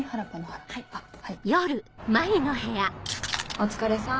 ・お疲れさん